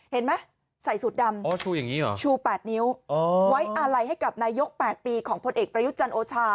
เห็นไหมใส่สูตรดำชู๘นิ้วไว้อาลัยให้กับนายก๘ปีของพลเอกประยุทธ์จันทร์โอชา